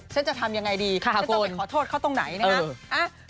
ฉันจะทำยังไงดีขอโทษเขาตรงไหนนะฮะเออ